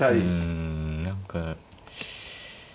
うん何か。